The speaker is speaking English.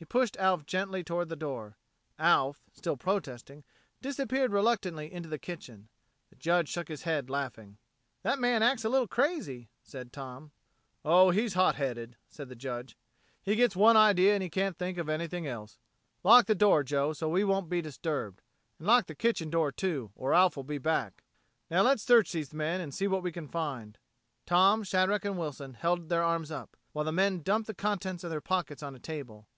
He pushed Alf gently toward the door. Alf, still protesting, disappeared reluctantly into the kitchen. The Judge shook his head, laughing. "That man acts a little crazy," said Tom. "Oh, he's hot headed," said the Judge. "He gets one idea and he can't think of anything else. Lock the door, Joe, so we won't be disturbed. And lock the kitchen door, too, or Alf'll be back. Now let's search these men, and see what we can find." Tom, Shadrack, and Wilson held their arms up, while the men dumped the contents of their pockets on a table.